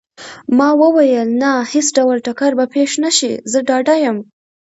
ما وویل: نه، هیڅ ډول ټکر به پېښ نه شي، زه ډاډه یم.